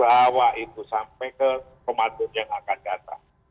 bawa itu sampai ke ramadan yang akan datang